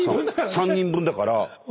３人分だから。